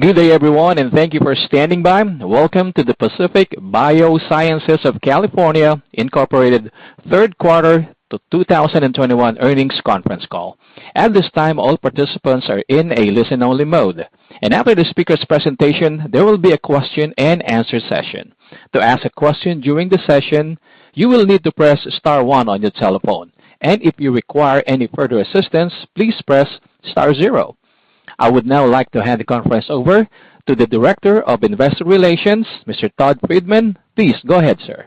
Good day, everyone, and thank you for standing by. Welcome to the Pacific Biosciences of California, Inc. Third Quarter of 2021 Earnings Conference Call. At this time, all participants are in a listen-only mode, and after the speaker's presentation, there will be a question-and-answer session. To ask a question during the session, you will need to press star one on your telephone, and if you require any further assistance, please press star zero. I would now like to hand the conference over to the Director of Investor Relations, Mr. Todd Friedman. Please go ahead, sir.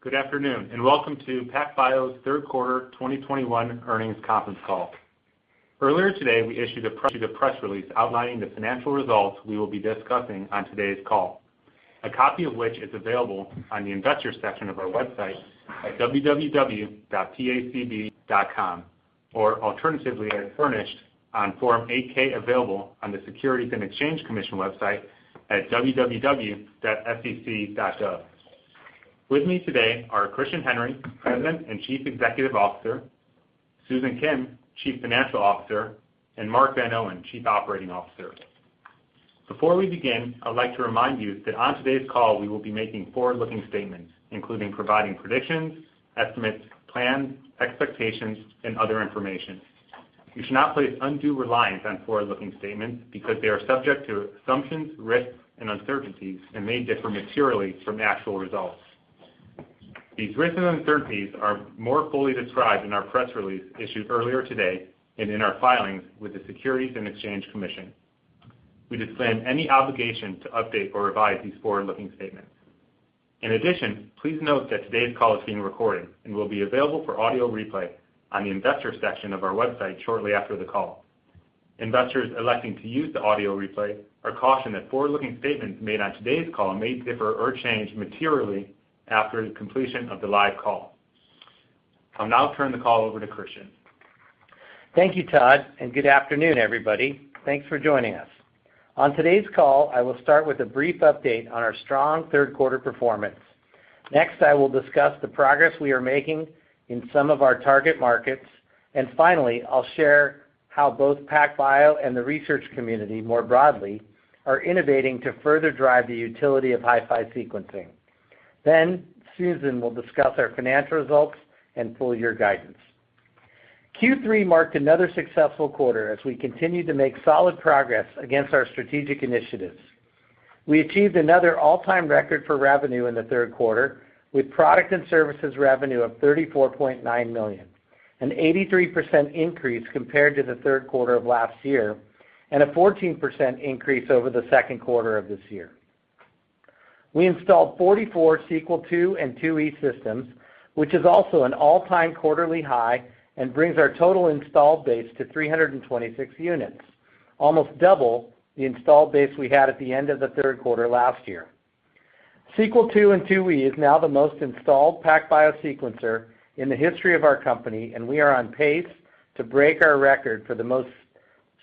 Good afternoon, and welcome to PacBio's Third Quarter 2021 Earnings Conference Call. Earlier today, we issued the press release outlining the financial results we will be discussing on today's call. A copy of which is available on the investor section of our website at www.pacb.com, or alternatively, as furnished on Form 8-K available on the Securities and Exchange Commission website at www.sec.gov. With me today are Christian Henry, President and Chief Executive Officer, Susan Kim, Chief Financial Officer, and Mark Van Oene, Chief Operating Officer. Before we begin, I'd like to remind you that on today's call, we will be making forward-looking statements, including providing predictions, estimates, plans, expectations, and other information. You should not place undue reliance on forward-looking statements because they are subject to assumptions, risks, and uncertainties and may differ materially from actual results. These risks and uncertainties are more fully described in our press release issued earlier today and in our filings with the Securities and Exchange Commission. We disclaim any obligation to update or revise these forward-looking statements. In addition, please note that today's call is being recorded and will be available for audio replay on the investor section of our website shortly after the call. Investors electing to use the audio replay are cautioned that forward-looking statements made on today's call may differ or change materially after the completion of the live call. I'll now turn the call over to Christian Henry. Thank you, Todd, and good afternoon, everybody. Thanks for joining us. On today's call, I will start with a brief update on our strong third quarter performance. Next, I will discuss the progress we are making in some of our target markets, and finally, I'll share how both PacBio and the research community, more broadly, are innovating to further drive the utility of HiFi sequencing. Then Susan will discuss our financial results and full year guidance. Q3 marked another successful quarter as we continued to make solid progress against our strategic initiatives. We achieved another all-time record for revenue in the third quarter with product and services revenue of $34.9 million, an 83% increase compared to the third quarter of last year and a 14% increase over the second quarter of this year. We installed 44 Sequel II and IIe systems, which is also an all-time quarterly high and brings our total installed base to 326 units, almost double the installed base we had at the end of the third quarter last year. Sequel II and IIe is now the most installed PacBio sequencer in the history of our company, and we are on pace to break our record for the most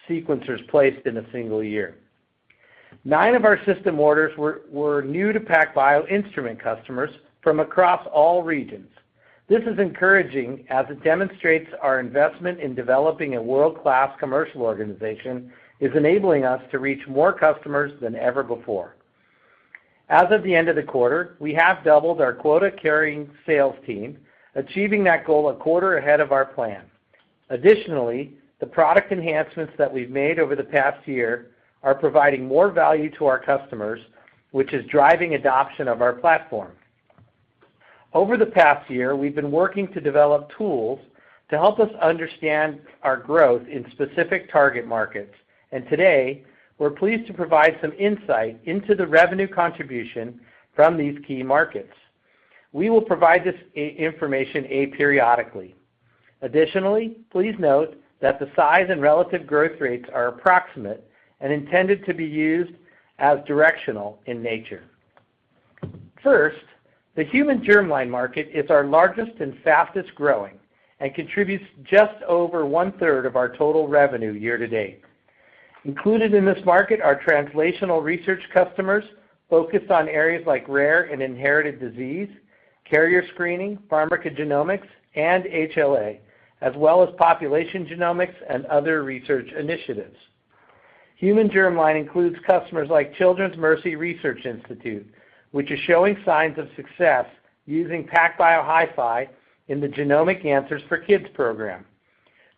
sequencers placed in a single year. Nine of our system orders were new to PacBio instrument customers from across all regions. This is encouraging as it demonstrates our investment in developing a world-class commercial organization is enabling us to reach more customers than ever before. As of the end of the quarter, we have doubled our quota-carrying sales team, achieving that goal a quarter ahead of our plan. Additionally, the product enhancements that we've made over the past year are providing more value to our customers, which is driving adoption of our platform. Over the past year, we've been working to develop tools to help us understand our growth in specific target markets, and today, we're pleased to provide some insight into the revenue contribution from these key markets. We will provide this information periodically. Additionally, please note that the size and relative growth rates are approximate and intended to be used as directional in nature. First, the human germline market is our largest and fastest-growing and contributes just over 1/3 of our total revenue year-to-date. Included in this market are translational research customers focused on areas like rare and inherited disease, carrier screening, pharmacogenomics, and HLA, as well as population genomics and other research initiatives. Human germline includes customers like Children's Mercy Research Institute, which is showing signs of success using PacBio HiFi in the Genomic Answers for Kids program.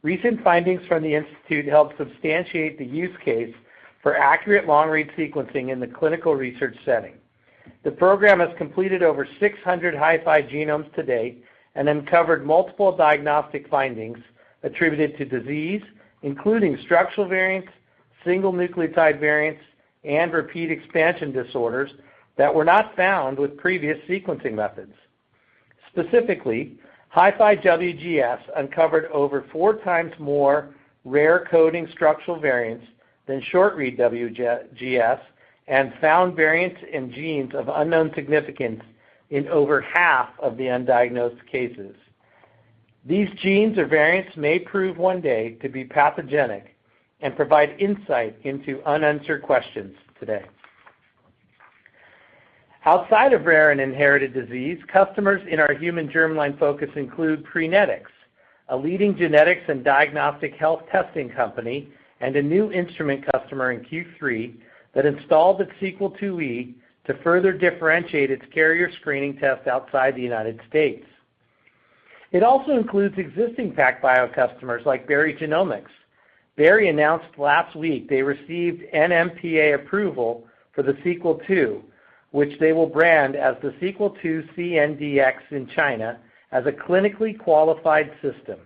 Recent findings from the institute help substantiate the use case for accurate long-read sequencing in the clinical research setting. The program has completed over 600 HiFi genomes to date and uncovered multiple diagnostic findings attributed to disease, including structural variants, single nucleotide variants, and repeat expansion disorders that were not found with previous sequencing methods. Specifically, HiFi WGS uncovered over four times more rare coding structural variants than short-read WGS and found variants in genes of unknown significance in over half of the undiagnosed cases. These genes or variants may prove one day to be pathogenic and provide insight into unanswered questions today. Outside of rare and inherited disease, customers in our human germline focus include Prenetics, a leading genetics and diagnostic health testing company, and a new instrument customer in Q3 that installed its Sequel IIe to further differentiate its carrier screening test outside the United States. It also includes existing PacBio customers like Berry Genomics. Berry announced last week they received NMPA approval for the Sequel II, which they will brand as the Sequel II CNDx in China as a clinically qualified system.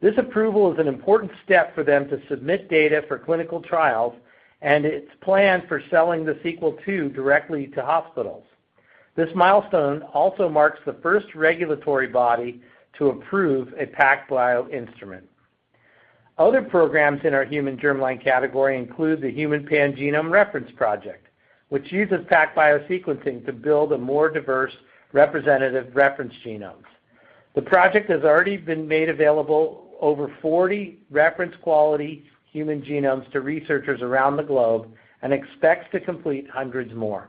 This approval is an important step for them to submit data for clinical trials and its plan for selling the Sequel II directly to hospitals. This milestone also marks the first regulatory body to approve a PacBio instrument. Other programs in our human germline category include the Human Pangenome Reference Consortium, which uses PacBio sequencing to build a more diverse representative reference genomes. The project has already been made available over 40 reference quality human genomes to researchers around the globe and expects to complete hundreds more.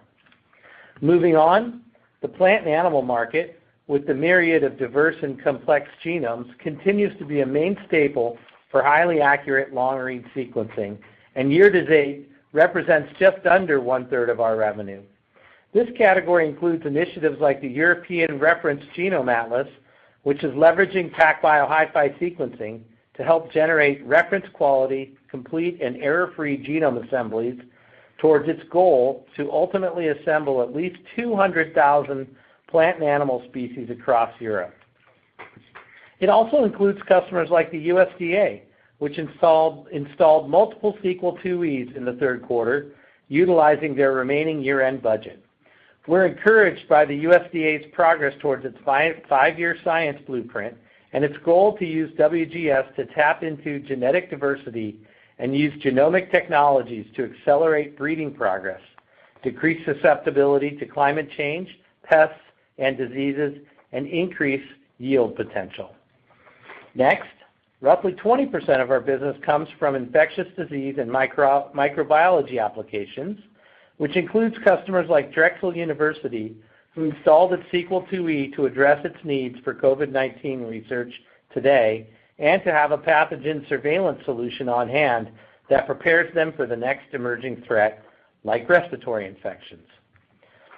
Moving on, the plant and animal market, with the myriad of diverse and complex genomes, continues to be a mainstay for highly accurate long-read sequencing, and year-to-date represents just under one-third of our revenue. This category includes initiatives like the European Reference Genome Atlas, which is leveraging PacBio HiFi sequencing to help generate reference quality, complete and error-free genome assemblies towards its goal to ultimately assemble at least 200,000 plant and animal species across Europe. It also includes customers like the USDA, which installed multiple Sequel IIe in the third quarter, utilizing their remaining year-end budget. We're encouraged by the USDA's progress towards its five-year science blueprint and its goal to use WGS to tap into genetic diversity and use genomic technologies to accelerate breeding progress, decrease susceptibility to climate change, pests and diseases, and increase yield potential. Next, roughly 20% of our business comes from infectious disease and microbiology applications, which includes customers like Drexel University, who installed its Sequel IIe to address its needs for COVID-19 research today, and to have a pathogen surveillance solution on hand that prepares them for the next emerging threat, like respiratory infections.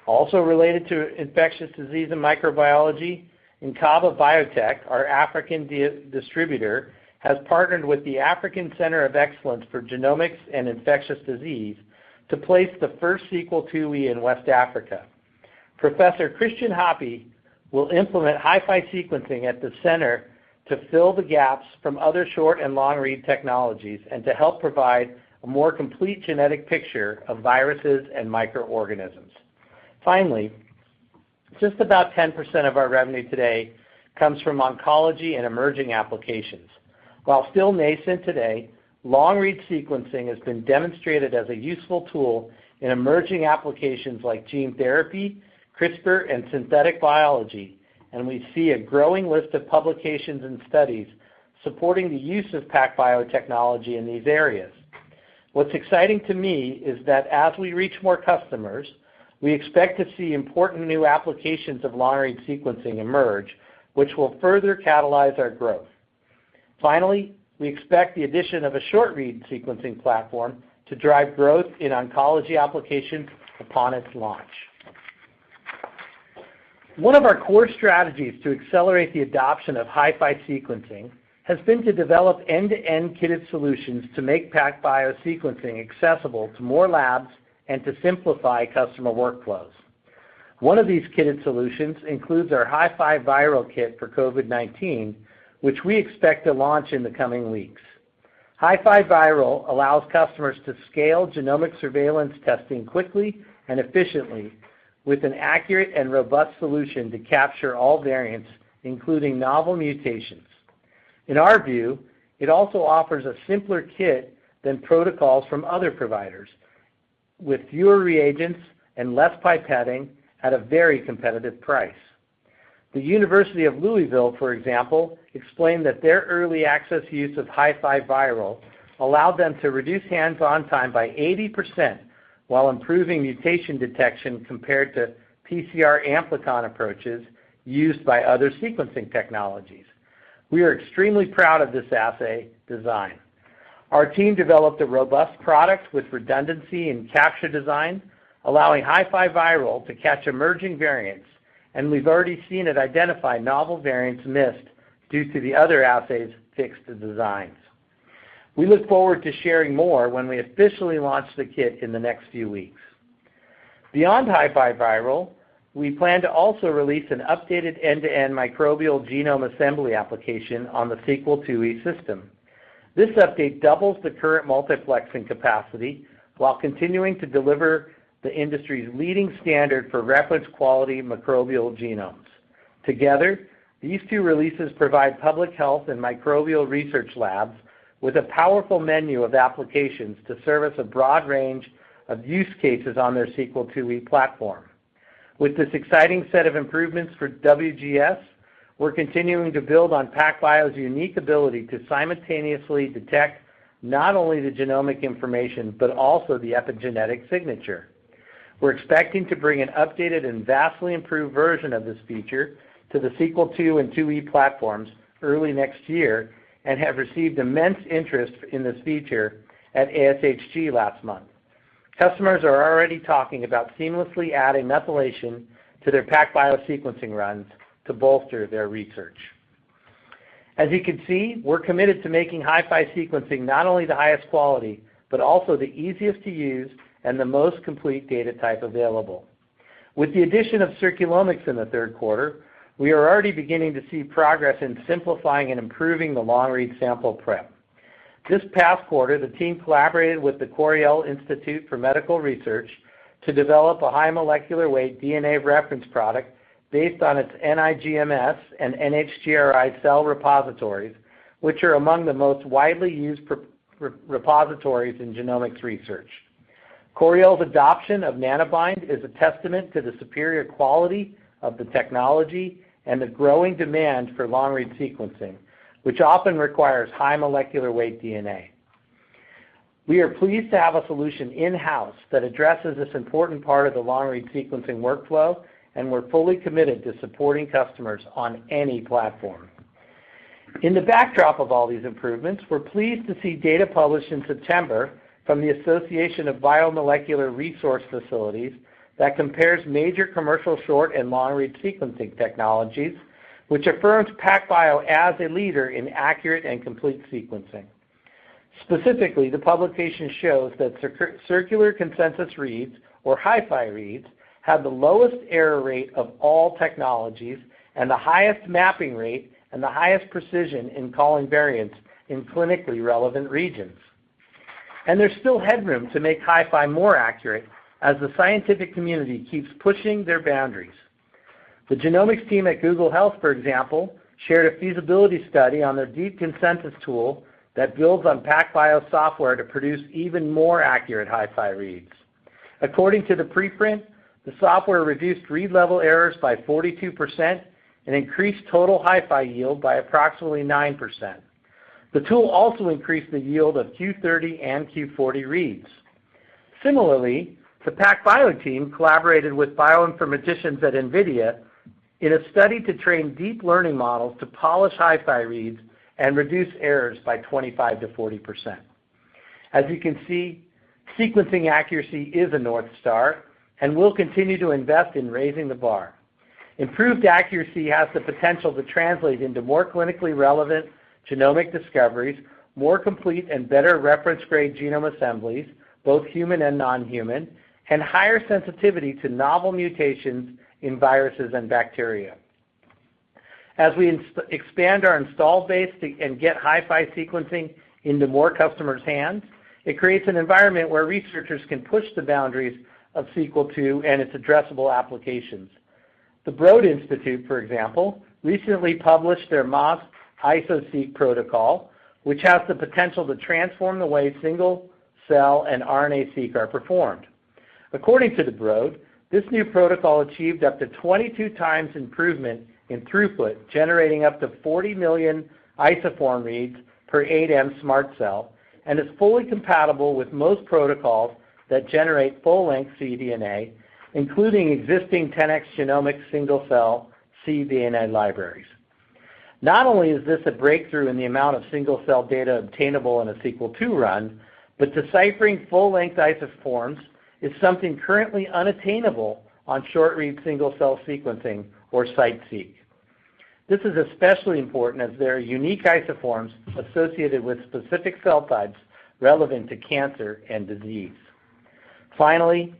Also related to infectious disease and microbiology, Inqaba Biotec, our African distributor, has partnered with the African Centre of Excellence for Genomics of Infectious Diseases to place the first Sequel IIe in West Africa. Professor Christian Happi will implement HiFi sequencing at the center to fill the gaps from other short and long-read technologies and to help provide a more complete genetic picture of viruses and microorganisms. Finally, just about 10% of our revenue today comes from oncology and emerging applications. While still nascent today, long-read sequencing has been demonstrated as a useful tool in emerging applications like gene therapy, CRISPR, and synthetic biology, and we see a growing list of publications and studies supporting the use of PacBio technology in these areas. What's exciting to me is that as we reach more customers, we expect to see important new applications of long-read sequencing emerge, which will further catalyze our growth. Finally, we expect the addition of a short-read sequencing platform to drive growth in oncology applications upon its launch. One of our core strategies to accelerate the adoption of HiFi sequencing has been to develop end-to-end kitted solutions to make PacBio sequencing accessible to more labs and to simplify customer workflows. One of these kitted solutions includes our HiFiViral kit for COVID-19, which we expect to launch in the coming weeks. HiFiViral allows customers to scale genomic surveillance testing quickly and efficiently with an accurate and robust solution to capture all variants, including novel mutations. In our view, it also offers a simpler kit than protocols from other providers, with fewer reagents and less pipetting at a very competitive price. The University of Louisville, for example, explained that their early access use of HiFiViral allowed them to reduce hands-on time by 80% while improving mutation detection compared to PCR amplicon approaches used by other sequencing technologies. We are extremely proud of this assay design. Our team developed a robust product with redundancy in capture design, allowing HiFiViral to catch emerging variants, and we've already seen it identify novel variants missed due to the other assay's fixed designs. We look forward to sharing more when we officially launch the kit in the next few weeks. Beyond HiFiViral, we plan to also release an updated end-to-end microbial genome assembly application on the Sequel IIe system. This update doubles the current multiplexing capacity while continuing to deliver the industry's leading standard for reference quality microbial genomes. Together, these two releases provide public health and microbial research labs with a powerful menu of applications to service a broad range of use cases on their Sequel IIe platform. With this exciting set of improvements for WGS. We're continuing to build on PacBio's unique ability to simultaneously detect not only the genomic information, but also the epigenetic signature. We're expecting to bring an updated and vastly improved version of this feature to the Sequel II and IIe platforms early next year and have received immense interest in this feature at ASHG last month. Customers are already talking about seamlessly adding methylation to their PacBio sequencing runs to bolster their research. As you can see, we're committed to making HiFi sequencing not only the highest quality, but also the easiest to use and the most complete data type available. With the addition of Circulomics in the third quarter, we are already beginning to see progress in simplifying and improving the long-read sample prep. This past quarter, the team collaborated with the Coriell Institute for Medical Research to develop a high molecular weight DNA reference product based on its NIGMS and NHGRI cell repositories, which are among the most widely used repositories in genomics research. Coriell's adoption of Nanobind is a testament to the superior quality of the technology and the growing demand for long-read sequencing, which often requires high molecular weight DNA. We are pleased to have a solution in-house that addresses this important part of the long-read sequencing workflow, and we're fully committed to supporting customers on any platform. In the backdrop of all these improvements, we're pleased to see data published in September from the Association of Biomolecular Resource Facilities that compares major commercial short- and long-read sequencing technologies, which affirms PacBio as a leader in accurate and complete sequencing. Specifically, the publication shows that circular consensus reads, or HiFi reads, have the lowest error rate of all technologies and the highest mapping rate and the highest precision in calling variants in clinically relevant regions. There's still headroom to make HiFi more accurate as the scientific community keeps pushing their boundaries. The genomics team at Google Health, for example, shared a feasibility study on their DeepConsensus tool that builds on PacBio software to produce even more accurate HiFi reads. According to the preprint, the software reduced read level errors by 42% and increased total HiFi yield by approximately 9%. The tool also increased the yield of Q30 and Q40 reads. Similarly, the PacBio team collaborated with bioinformaticians at NVIDIA in a study to train deep learning models to polish HiFi reads and reduce errors by 25%-40%. As you can see, sequencing accuracy is a North Star, and we'll continue to invest in raising the bar. Improved accuracy has the potential to translate into more clinically relevant genomic discoveries, more complete and better reference-grade genome assemblies, both human and non-human, and higher sensitivity to novel mutations in viruses and bacteria. As we expand our install base and get HiFi sequencing into more customers' hands, it creates an environment where researchers can push the boundaries of Sequel II and its addressable applications. The Broad Institute, for example, recently published their MAS Iso-Seq protocol, which has the potential to transform the way single-cell and RNA-Seq are performed. According to the Broad Institute, this new protocol achieved up to 22 times improvement in throughput, generating up to 40 million isoform reads per 8M SMRT Cell, and is fully compatible with most protocols that generate full-length cDNA, including existing 10x Genomics single-cell cDNA libraries. Not only is this a breakthrough in the amount of single-cell data obtainable in a Sequel II run, but deciphering full-length isoforms is something currently unattainable on short-read single-cell sequencing or CITE-seq. This is especially important as there are unique isoforms associated with specific cell types relevant to cancer and disease. Finally,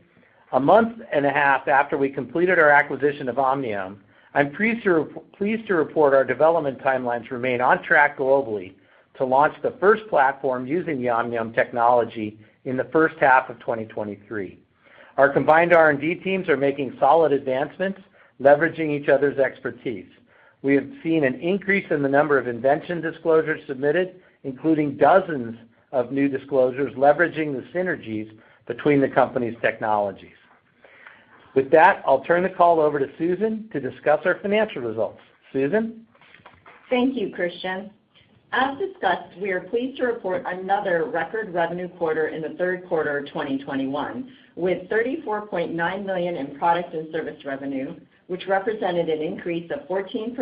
a month and a half after we completed our acquisition of Omniome, I'm pleased to report our development timelines remain on track globally to launch the first platform using the Omniome technology in the first half of 2023. Our combined R&D teams are making solid advancements, leveraging each other's expertise. We have seen an increase in the number of invention disclosures submitted, including dozens of new disclosures leveraging the synergies between the company's technologies. With that, I'll turn the call over to Susan to discuss our financial results. Susan? Thank you, Christian. As discussed, we are pleased to report another record revenue quarter in the third quarter of 2021, with $34.9 million in product and service revenue, which represented an increase of 14%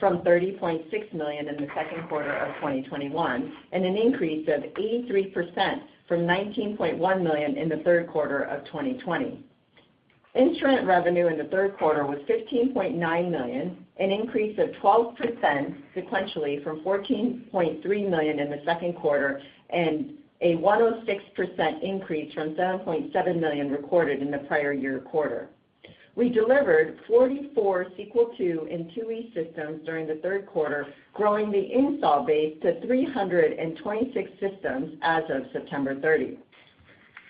from $30.6 million in the second quarter of 2021 and an increase of 83% from $19.1 million in the third quarter of 2020. Instrument revenue in the third quarter was $15.9 million, an increase of 12% sequentially from $14.3 million in the second quarter and a 106% increase from $7.7 million recorded in the prior year quarter. We delivered 44 Sequel II and IIe systems during the third quarter, growing the install base to 326 systems as of September 30.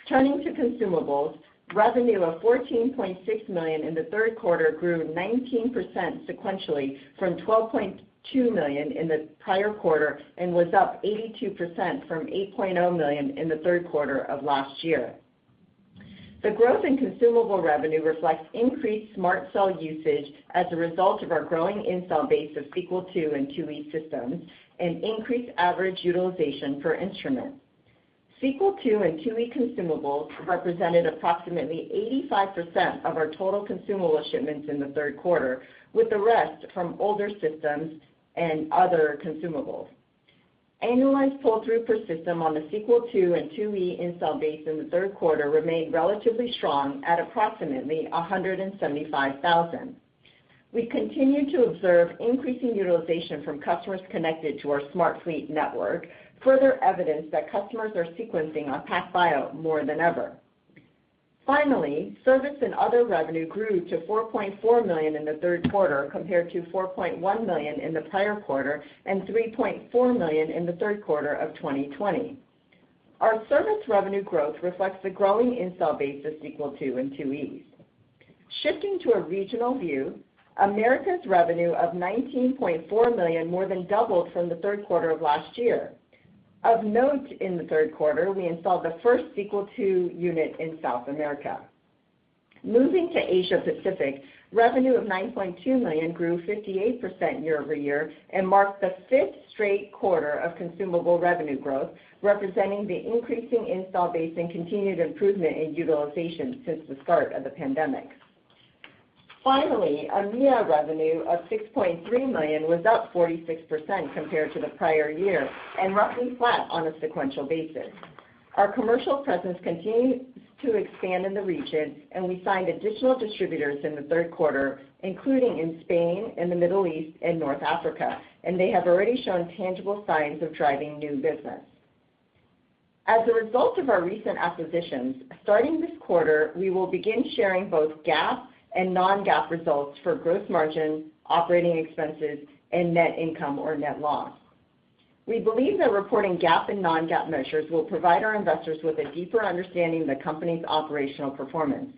Turning to consumables, revenue of $14.6 million in the third quarter grew 19% sequentially from $12.2 million in the prior quarter and was up 82% from $8.0 million in the third quarter of last year. The growth in consumable revenue reflects increased SMRT Cell usage as a result of our growing install base of Sequel II and IIe systems and increased average utilization per instrument. Sequel II and IIe consumables represented approximately 85% of our total consumable shipments in the third quarter, with the rest from older systems and other consumables. Annualized pull-through per system on the Sequel II and IIe install base in the third quarter remained relatively strong at approximately 175,000. We continue to observe increasing utilization from customers connected to our SMRT Link network, further evidence that customers are sequencing on PacBio more than ever. Finally, service and other revenue grew to $4.4 million in the third quarter compared to $4.1 million in the prior quarter and $3.4 million in the third quarter of 2020. Our service revenue growth reflects the growing install base of Sequel II and IIe. Shifting to a regional view, Americas revenue of $19.4 million more than doubled from the third quarter of last year. Of note, in the third quarter, we installed the first Sequel II unit in South America. Moving to Asia Pacific, revenue of $9.2 million grew 58% year-over-year and marked the fifth straight quarter of consumable revenue growth, representing the increasing install base and continued improvement in utilization since the start of the pandemic. Finally, EMEIA revenue of $6.3 million was up 46% compared to the prior year and roughly flat on a sequential basis. Our commercial presence continues to expand in the region, and we signed additional distributors in the third quarter, including in Spain and the Middle East and North Africa, and they have already shown tangible signs of driving new business. As a result of our recent acquisitions, starting this quarter, we will begin sharing both GAAP and non-GAAP results for gross margin, operating expenses, and net income or net loss. We believe that reporting GAAP and non-GAAP measures will provide our investors with a deeper understanding of the company's operational performance.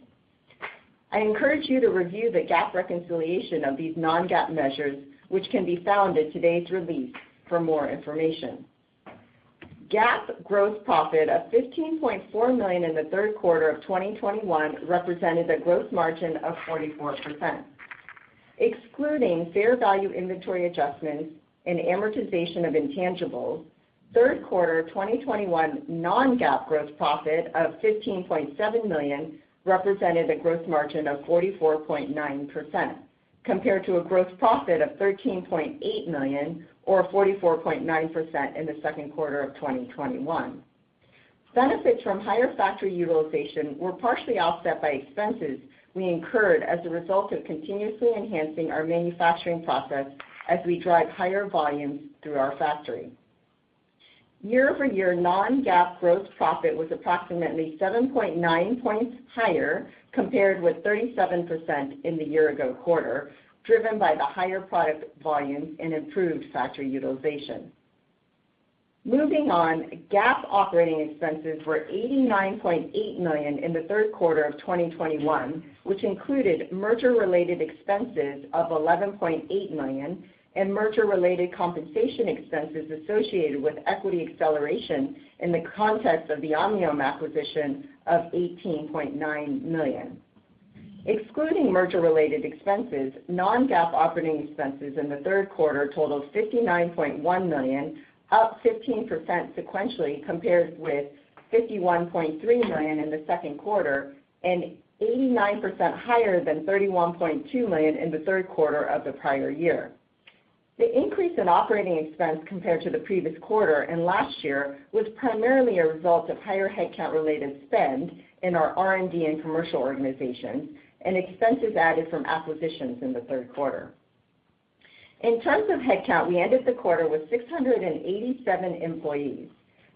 I encourage you to review the GAAP reconciliation of these non-GAAP measures, which can be found in today's release for more information. GAAP gross profit of $15.4 million in the third quarter of 2021 represented a gross margin of 44%. Excluding fair value inventory adjustments and amortization of intangibles, third quarter 2021 non-GAAP gross profit of $15.7 million represented a gross margin of 44.9%, compared to a gross profit of $13.8 million or 44.9% in the second quarter of 2021. Benefits from higher factory utilization were partially offset by expenses we incurred as a result of continuously enhancing our manufacturing process as we drive higher volumes through our factory. Year-over-year non-GAAP gross profit was approximately 7.9 points higher compared with 37% in the year ago quarter, driven by the higher product volumes and improved factory utilization. Moving on, GAAP operating expenses were $89.8 million in the third quarter of 2021, which included merger-related expenses of $11.8 million and merger-related compensation expenses associated with equity acceleration in the context of the Omniome acquisition of $18.9 million. Excluding merger-related expenses, non-GAAP operating expenses in the third quarter totaled $59.1 million, up 15% sequentially compared with $51.3 million in the second quarter and 89% higher than $31.2 million in the third quarter of the prior year. The increase in operating expense compared to the previous quarter and last year was primarily a result of higher headcount-related spend in our R&D and commercial organizations and expenses added from acquisitions in the third quarter. In terms of headcount, we ended the quarter with 687 employees.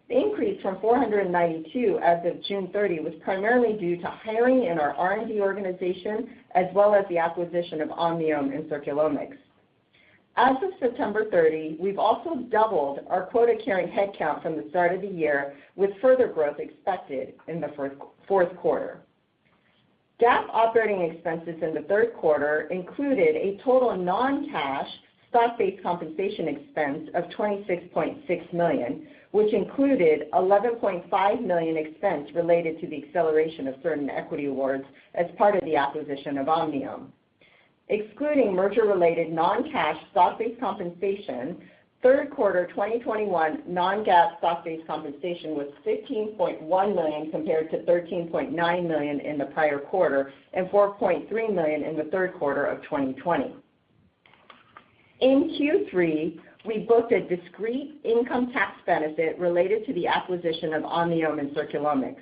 The increase from 492 as of June 30 was primarily due to hiring in our R&D organization as well as the acquisition of Omniome and Circulomics. As of September 30, we've also doubled our quota-carrying headcount from the start of the year, with further growth expected in the fourth quarter. GAAP operating expenses in the third quarter included a total non-cash stock-based compensation expense of $26.6 million, which included $11.5 million expense related to the acceleration of certain equity awards as part of the acquisition of Omniome. Excluding merger-related non-cash stock-based compensation, third quarter 2021 non-GAAP stock-based compensation was $15.1 million compared to $13.9 million in the prior quarter and $4.3 million in the third quarter of 2020. In Q3, we booked a discrete income tax benefit related to the acquisition of Omniome and Circulomics.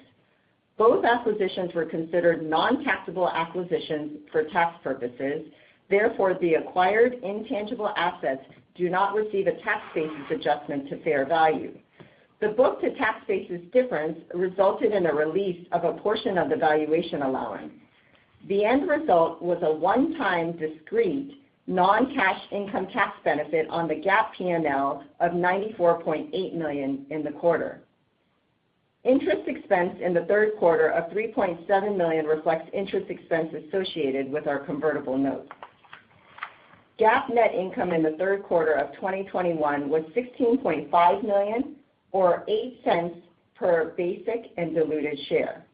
Both acquisitions were considered non-taxable acquisitions for tax purposes. Therefore, the acquired intangible assets do not receive a tax basis adjustment to fair value. The book to tax basis difference resulted in a release of a portion of the valuation allowance. The end result was a one-time discrete non-cash income tax benefit on the GAAP P&L of $94.8 million in the quarter. Interest expense in the third quarter of $3.7 million reflects interest expense associated with our convertible note. GAAP net income in the third quarter of 2021 was $16.5 million or $0.08 per basic and diluted share.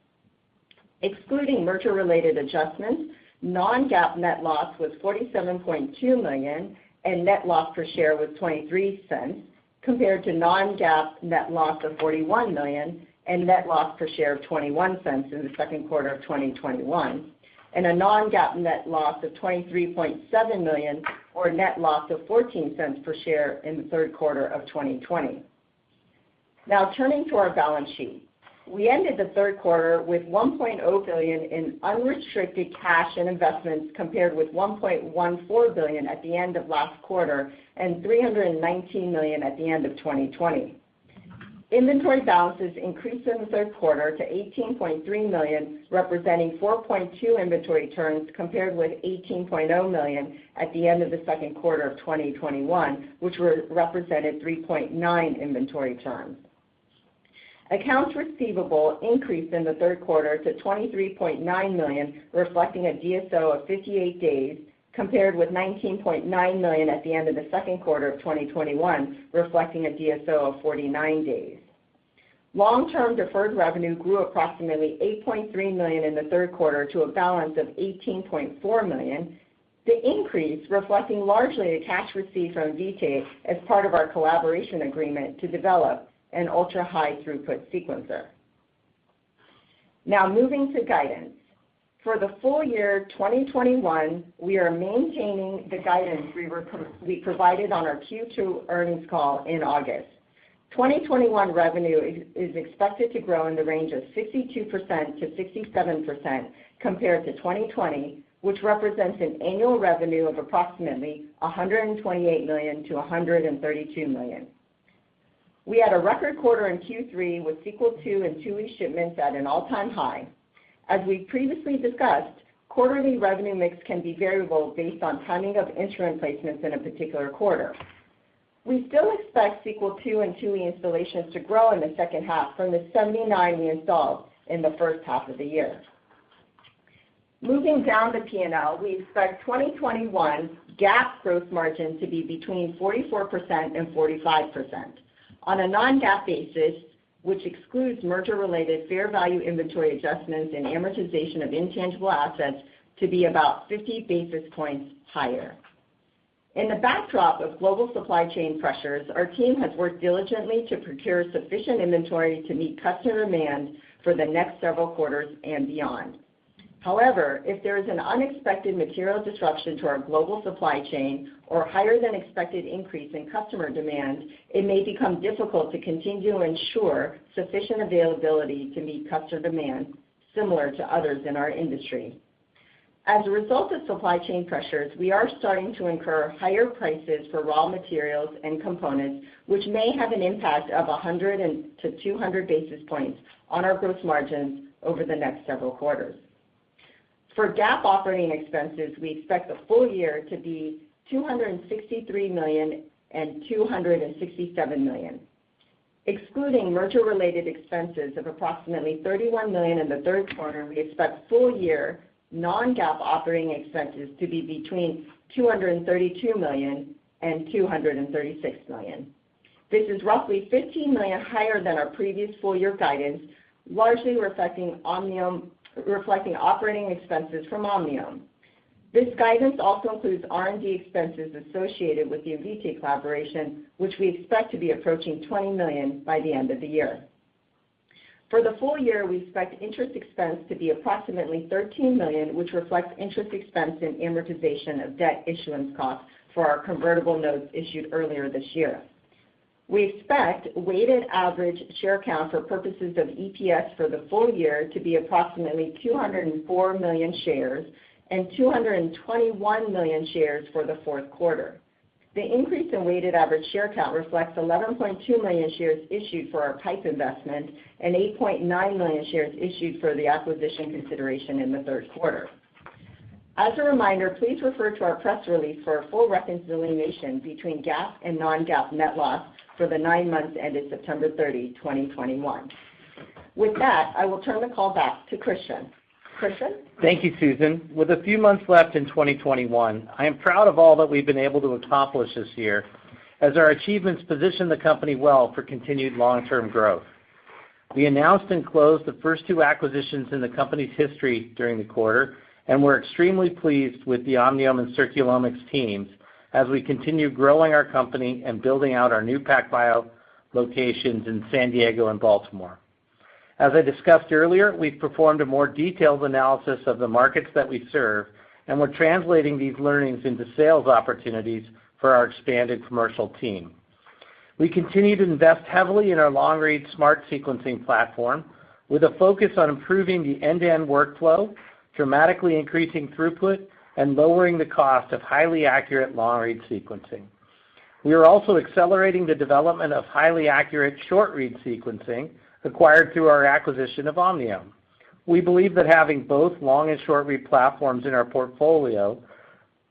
Excluding merger-related adjustments, non-GAAP net loss was $47.2 million, and net loss per share was $0.23 compared to non-GAAP net loss of $41 million and net loss per share of $0.21 in the second quarter of 2021, and a non-GAAP net loss of $23.7 million or net loss of $0.14 per share in the third quarter of 2020. Now, turning to our balance sheet. We ended the third quarter with $1.0 billion in unrestricted cash and investments, compared with $1.14 billion at the end of last quarter and $319 million at the end of 2020. Inventory balances increased in the third quarter to $18.3 million, representing 4.2 inventory turns, compared with $18.0 million at the end of the second quarter of 2021, which represented 3.9 inventory turns. Accounts receivable increased in the third quarter to $23.9 million, reflecting a DSO of 58 days, compared with $19.9 million at the end of the second quarter of 2021, reflecting a DSO of 49 days. Long-term deferred revenue grew approximately $8.3 million in the third quarter to a balance of $18.4 million, the increase reflecting largely the cash received from Invitae as part of our collaboration agreement to develop an ultra-high throughput sequencer. Now, moving to guidance. For the full year 2021, we are maintaining the guidance we provided on our Q2 earnings call in August. 2021 revenue is expected to grow in the range of 62%-67% compared to 2020, which represents an annual revenue of approximately $128 million-$132 million. We had a record quarter in Q3 with Sequel II and IIe shipments at an all-time high. As we've previously discussed, quarterly revenue mix can be variable based on timing of instrument placements in a particular quarter. We still expect Sequel II and IIe installations to grow in the second half from the 79 we installed in the first half of the year. Moving down the P&L, we expect 2021 GAAP gross margin to be between 44% and 45% on a non-GAAP basis, which excludes merger-related fair value inventory adjustments and amortization of intangible assets to be about 50 basis points higher. In the backdrop of global supply chain pressures, our team has worked diligently to procure sufficient inventory to meet customer demand for the next several quarters and beyond. However, if there is an unexpected material disruption to our global supply chain or higher than expected increase in customer demand, it may become difficult to continue to ensure sufficient availability to meet customer demand, similar to others in our industry. As a result of supply chain pressures, we are starting to incur higher prices for raw materials and components, which may have an impact of 100-200 basis points on our growth margins over the next several quarters. For GAAP operating expenses, we expect the full year to be $263 million and $267 million. Excluding merger-related expenses of approximately $31 million in the third quarter, we expect full year non-GAAP operating expenses to be between $232 million and $236 million. This is roughly $15 million higher than our previous full year guidance, largely reflecting operating expenses from Omniome. This guidance also includes R&D expenses associated with the Invitae collaboration, which we expect to be approaching $20 million by the end of the year. For the full year, we expect interest expense to be approximately $13 million, which reflects interest expense and amortization of debt issuance costs for our convertible notes issued earlier this year. We expect weighted average share count for purposes of EPS for the full year to be approximately 204 million shares and 221 million shares for the fourth quarter. The increase in weighted average share count reflects 11.2 million shares issued for our PIPE investment and 8.9 million shares issued for the acquisition consideration in the third quarter. As a reminder, please refer to our press release for a full reconciliation between GAAP and non-GAAP net loss for the nine months ended September 30, 2021. With that, I will turn the call back to Christian. Christian? Thank you, Susan. With a few months left in 2021, I am proud of all that we've been able to accomplish this year as our achievements position the company well for continued long-term growth. We announced and closed the first two acquisitions in the company's history during the quarter, and we're extremely pleased with the Omniome and Circulomics teams as we continue growing our company and building out our new PacBio locations in San Diego and Baltimore. As I discussed earlier, we've performed a more detailed analysis of the markets that we serve, and we're translating these learnings into sales opportunities for our expanded commercial team. We continue to invest heavily in our long-read SMRT sequencing platform, with a focus on improving the end-to-end workflow, dramatically increasing throughput, and lowering the cost of highly accurate long-read sequencing. We are also accelerating the development of highly accurate short-read sequencing acquired through our acquisition of Omniome. We believe that having both long and short-read platforms in our portfolio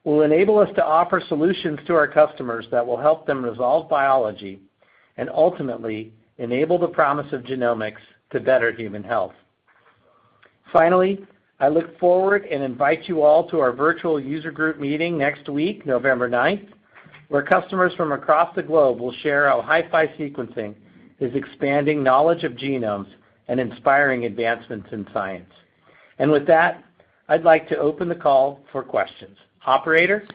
will enable us to offer solutions to our customers that will help them resolve biology and ultimately enable the promise of genomics to better human health. Finally, I look forward and invite you all to our virtual user group meeting next week, November 9th, where customers from across the globe will share how HiFi sequencing is expanding knowledge of genomes and inspiring advancements in science. With that, I'd like to open the call for questions. Operator?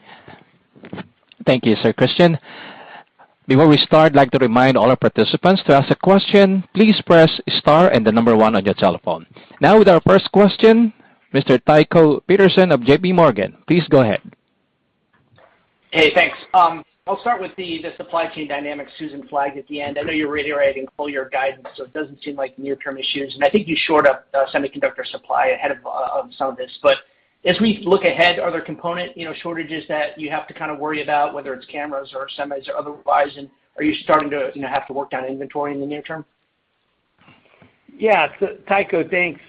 Thank you, Sir Christian. Before we start, I'd like to remind all our participants to ask a question, please press star and the number one on your telephone. Now with our first question, Mr. Tycho Peterson of JPMorgan. Please go ahead. Hey, thanks. I'll start with the supply chain dynamics Susan flagged at the end. I know you're reiterating full year guidance, so it doesn't seem like near-term issues, and I think you shored up semiconductor supply ahead of some of this. But as we look ahead, are there component, you know, shortages that you have to kind of worry about, whether it's cameras or semis or otherwise? And are you starting to, you know, have to work down inventory in the near term? Yeah. Tycho, thanks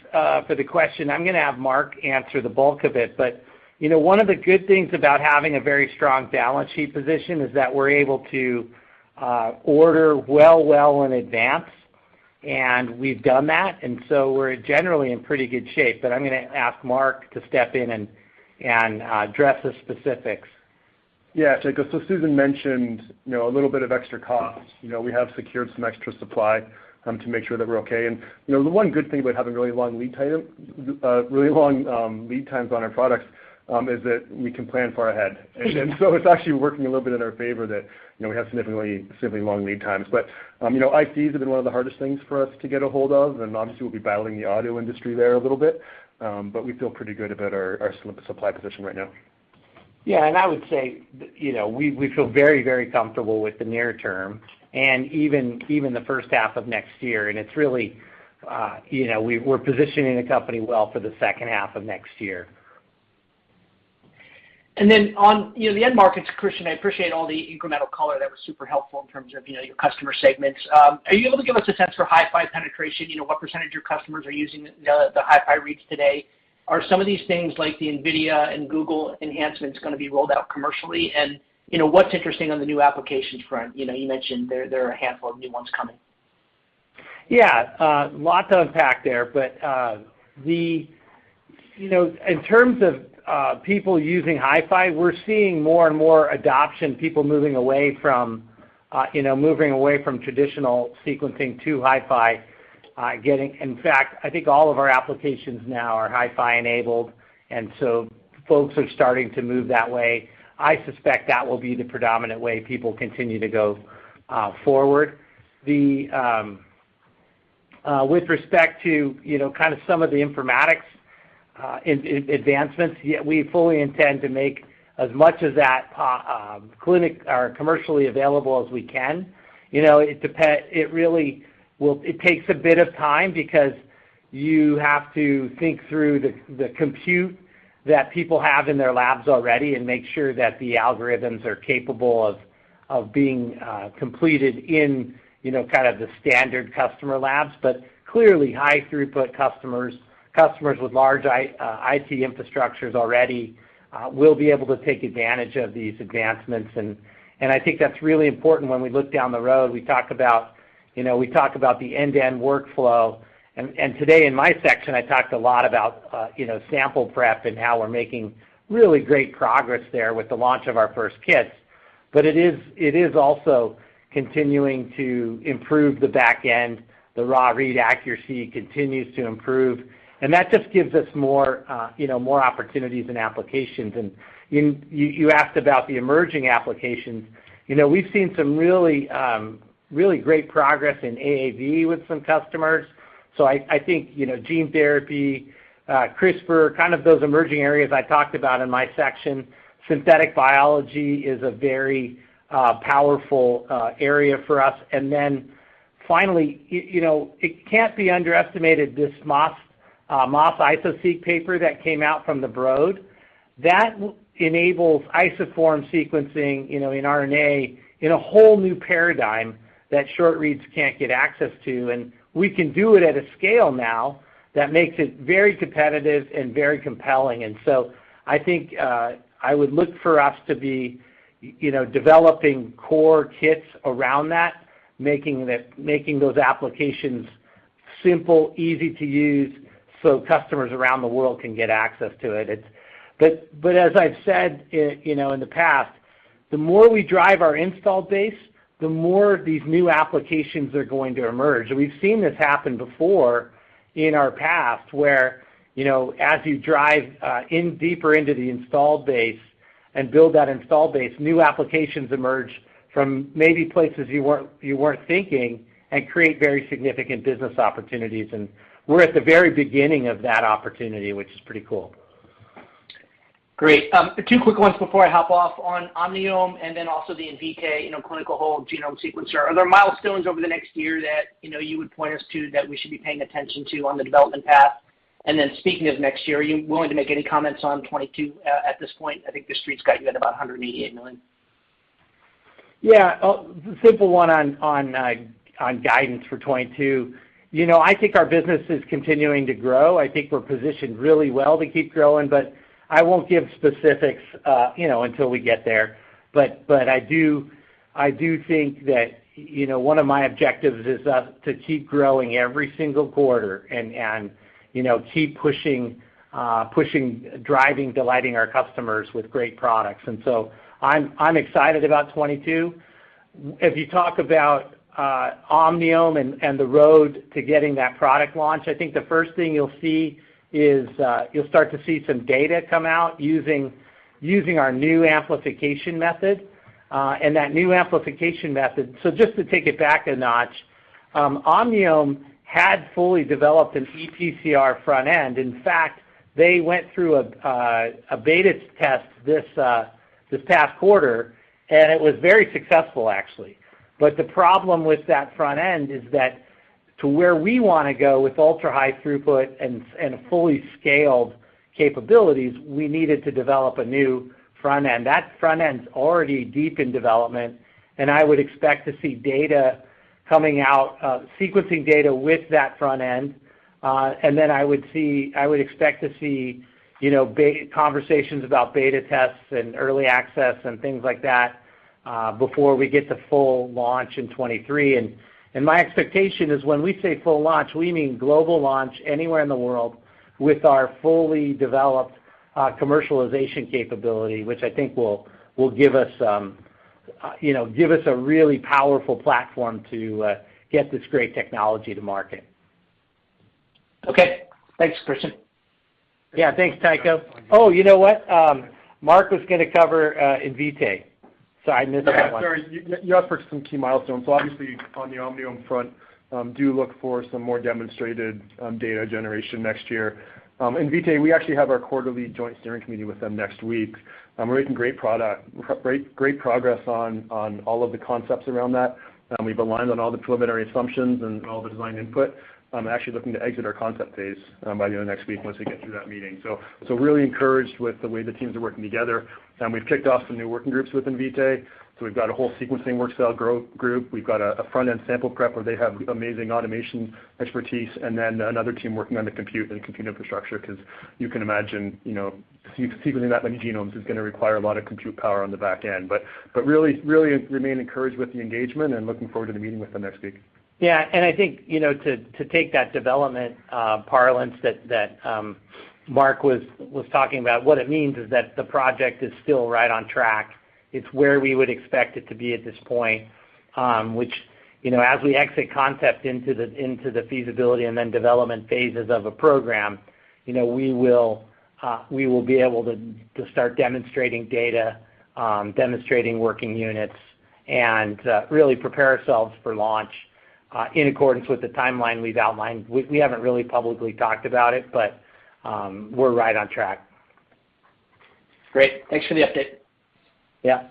for the question. I'm gonna have Mark answer the bulk of it. You know, one of the good things about having a very strong balance sheet position is that we're able to order well in advance, and we've done that. We're generally in pretty good shape. I'm gonna ask Mark to step in and address the specifics. Yeah. Tycho, Susan mentioned, you know, a little bit of extra costs. You know, we have secured some extra supply to make sure that we're okay. You know, the one good thing about having really long lead times on our products is that we can plan far ahead. It's actually working a little bit in our favor that, you know, we have significantly simply long lead times. You know, ICs have been one of the hardest things for us to get a hold of, and obviously we'll be battling the auto industry there a little bit. We feel pretty good about our supply position right now. Yeah. I would say, you know, we feel very, very comfortable with the near term and even the first half of next year. It's really, you know, we're positioning the company well for the second half of next year. On, you know, the end markets, Christian, I appreciate all the incremental color that was super helpful in terms of, you know, your customer segments. Are you able to give us a sense for HiFi penetration, you know, what percentage of your customers are using the HiFi reads today? Are some of these things like the NVIDIA and Google enhancements gonna be rolled out commercially? You know, what's interesting on the new applications front? You know, you mentioned there are a handful of new ones coming. Yeah. Lots to unpack there. You know, in terms of people using HiFi, we're seeing more and more adoption, people moving away from traditional sequencing to HiFi. In fact, I think all of our applications now are HiFi enabled, and so folks are starting to move that way. I suspect that will be the predominant way people continue to go forward. With respect to you know, kind of some of the informatics in advancements, yeah, we fully intend to make as much of that clinical or commercially available as we can. You know, it takes a bit of time because you have to think through the compute that people have in their labs already and make sure that the algorithms are capable of being completed in, you know, kind of the standard customer labs. But clearly, high throughput customers with large IT infrastructures already, will be able to take advantage of these advancements. I think that's really important when we look down the road. We talk about, you know, we talk about the end-to-end workflow. Today in my section, I talked a lot about, you know, sample prep and how we're making really great progress there with the launch of our first kits. But it is also continuing to improve the back end. The raw read accuracy continues to improve. That just gives us more, you know, more opportunities and applications. You asked about the emerging applications. You know, we've seen some really great progress in AAV with some customers. I think, you know, gene therapy, CRISPR, kind of those emerging areas I talked about in my section. Synthetic biology is a very powerful area for us. Finally, you know, it can't be underestimated, this MAS-Seq Iso-Seq paper that came out from the Broad. That enables isoform sequencing, you know, in RNA in a whole new paradigm that short reads can't get access to, and we can do it at a scale now that makes it very competitive and very compelling. I think I would look for us to be, you know, developing core kits around that, making those applications simple, easy to use so customers around the world can get access to it. But as I've said in the past, the more we drive our install base, the more these new applications are going to emerge. We've seen this happen before in our past, where, you know, as you drive in deeper into the install base and build that install base, new applications emerge from maybe places you weren't thinking and create very significant business opportunities. We're at the very beginning of that opportunity, which is pretty cool. Great. Two quick ones before I hop off on Omniome and then also the Invitae, you know, clinical whole genome sequencer. Are there milestones over the next year that, you know, you would point us to that we should be paying attention to on the development path? Speaking of next year, are you willing to make any comments on 2022 at this point? I think the street's got you at about $188 million. Yeah. A simple one on guidance for 2022. You know, I think our business is continuing to grow. I think we're positioned really well to keep growing, but I won't give specifics, you know, until we get there. But I do think that, you know, one of my objectives is us to keep growing every single quarter and, you know, keep pushing, driving, delighting our customers with great products. I'm excited about 2022. If you talk about Omniome and the road to getting that product launch, I think the first thing you'll see is you'll start to see some data come out using our new amplification method, and that new amplification method. So just to take it back a notch, Omniome had fully developed an ePCR front end. In fact, they went through a beta test this past quarter, and it was very successful, actually. The problem with that front end is that to where we wanna go with ultra-high throughput and fully scaled capabilities, we needed to develop a new front end. That front end's already deep in development, and I would expect to see data coming out, sequencing data with that front end. I would expect to see, you know, conversations about beta tests and early access and things like that before we get to full launch in 2023. My expectation is when we say full launch, we mean global launch anywhere in the world with our fully developed commercialization capability, which I think will give us, you know, give us a really powerful platform to get this great technology to market. Okay. Thanks, Christian. Yeah, thanks, Tycho. Oh, you know what? Mark was gonna cover Invitae, so I missed that one. Yeah, sorry. You asked for some key milestones. Obviously, on the Omniome front, do look for some more demonstrated data generation next year. Invitae, we actually have our quarterly joint steering committee with them next week. We're making great progress on all of the concepts around that. We've aligned on all the preliminary assumptions and all the design input. I'm actually looking to exit our concept phase by the end of next week once we get through that meeting. Really encouraged with the way the teams are working together. We've kicked off some new working groups with Invitae. We've got a whole sequencing workflow group. We've got a front-end sample prep, where they have amazing automation expertise, and then another team working on the compute and compute infrastructure, 'cause you can imagine, you know, sequencing that many genomes is gonna require a lot of compute power on the back end. We really remain encouraged with the engagement and looking forward to the meeting with them next week. Yeah. I think, you know, to take that development parlance that Mark was talking about, what it means is that the project is still right on track. It's where we would expect it to be at this point, which, you know, as we exit concept into the feasibility and then development phases of a program, you know, we will be able to start demonstrating data, demonstrating working units and really prepare ourselves for launch in accordance with the timeline we've outlined. We haven't really publicly talked about it, but we're right on track. Great. Thanks for the update. Yeah.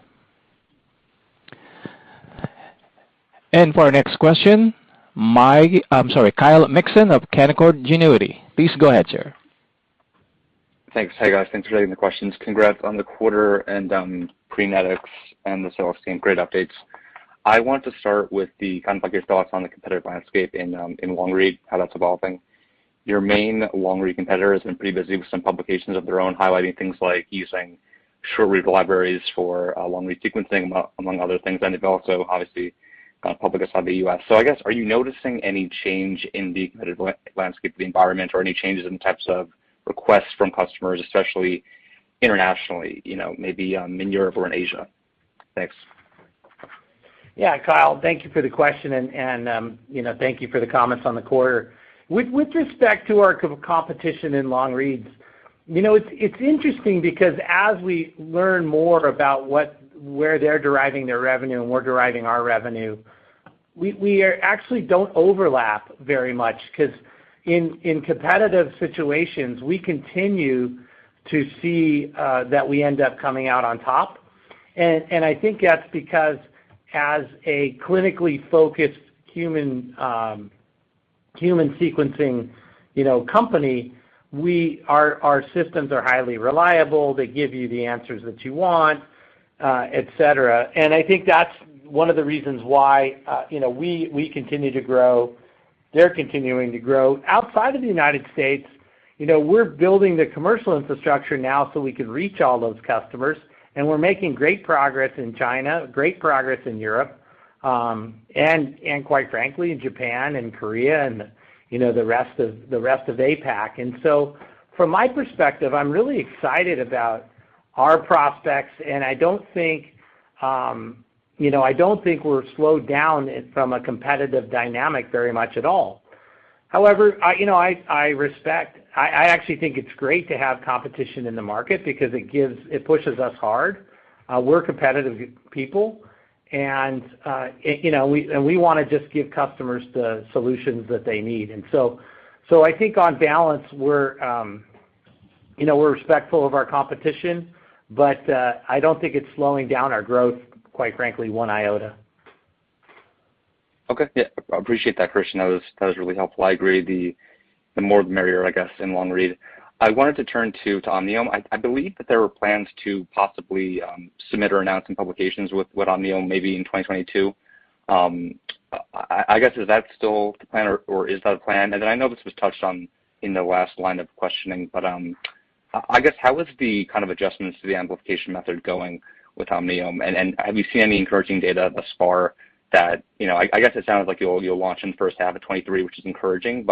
For our next question, Kyle Mikson of Canaccord Genuity. Please go ahead, sir. Thanks. Hey, guys. Thanks for taking the questions. Congrats on the quarter and Prenetics and the Sequel IIe. Great updates. I want to start with the kind of like your thoughts on the competitive landscape in long-read, how that's evolving. Your main long-read competitor has been pretty busy with some publications of their own, highlighting things like using short-read libraries for long-read sequencing, among other things, and they've also obviously gone public outside the U.S. I guess, are you noticing any change in the competitive landscape of the environment or any changes in the types of requests from customers, especially internationally, you know, maybe in Europe or in Asia? Thanks. Yeah. Kyle, thank you for the question, you know, thank you for the comments on the quarter. With respect to our competition in long-reads, you know, it's interesting because as we learn more about where they're deriving their revenue and we're deriving our revenue, we actually don't overlap very much, 'cause in competitive situations, we continue to see that we end up coming out on top. I think that's because as a clinically focused human sequencing, you know, company, our systems are highly reliable. They give you the answers that you want, et cetera. I think that's one of the reasons why, you know, we continue to grow. They're continuing to grow. Outside of the United States, you know, we're building the commercial infrastructure now so we can reach all those customers, and we're making great progress in China, great progress in Europe, and quite frankly, in Japan and Korea and, you know, the rest of APAC. From my perspective, I'm really excited about our prospects, and you know, I don't think we're slowed down from a competitive dynamic very much at all. However, you know, I actually think it's great to have competition in the market because it pushes us hard. We're competitive people, and you know, we wanna just give customers the solutions that they need. I think on balance, we're you know, respectful of our competition, but I don't think it's slowing down our growth, quite frankly, one iota. Okay. Yeah. Appreciate that, Christian. That was really helpful. I agree, the more the merrier, I guess, in long-read. I wanted to turn to Omniome. I believe that there were plans to possibly submit or announce some publications with Omniome maybe in 2022. I guess, is that still the plan or is that a plan? And then I know this was touched on in the last line of questioning, but I guess how was the kind of adjustments to the amplification method going with Omniome, and have you seen any encouraging data thus far that you know, I guess it sounds like you'll launch in first half of 2023, which is encouraging,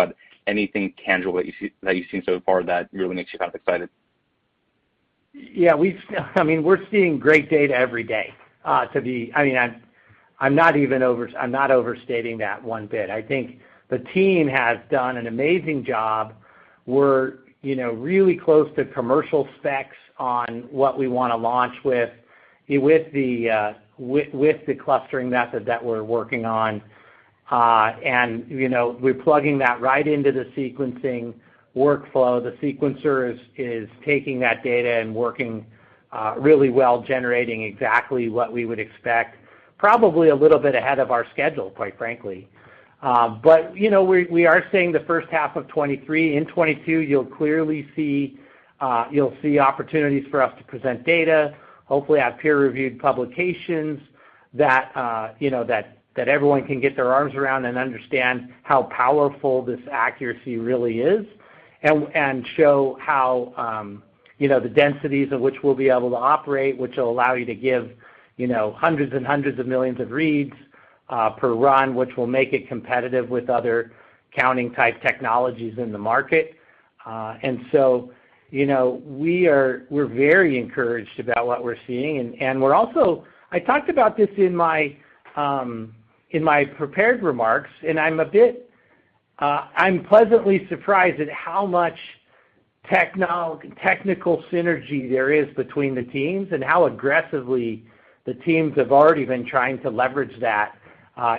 but anything tangible that you've seen so far that really makes you kind of excited? Yeah. I mean, we're seeing great data every day. I mean, I'm not overstating that one bit. I think the team has done an amazing job. We're, you know, really close to commercial specs on what we wanna launch with the clustering method that we're working on. You know, we're plugging that right into the sequencing workflow. The sequencer is taking that data and working really well, generating exactly what we would expect, probably a little bit ahead of our schedule, quite frankly. You know, we are seeing the first half of 2023. In 2022, you'll clearly see opportunities for us to present data, hopefully have peer-reviewed publications that you know that everyone can get their arms around and understand how powerful this accuracy really is and show how you know the densities at which we'll be able to operate, which will allow you to give you know hundreds and hundreds of millions of reads per run, which will make it competitive with other counting type technologies in the market. You know, we're very encouraged about what we're seeing. We're also. I talked about this in my prepared remarks, and I'm pleasantly surprised at how much technical synergy there is between the teams and how aggressively the teams have already been trying to leverage that.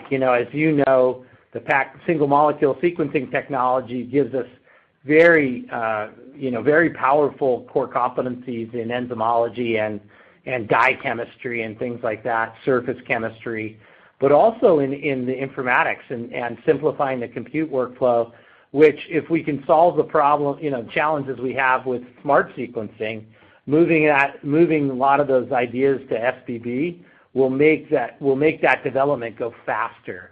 You know, as you know, the PacBio single-molecule sequencing technology gives us very, you know, very powerful core competencies in enzymology and dye chemistry and things like that, surface chemistry, but also in the informatics and simplifying the compute workflow, which if we can solve the problem, you know, challenges we have with SMRT sequencing, moving a lot of those ideas to SBB will make that development go faster,